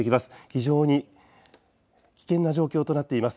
非常に危険な状況となっています。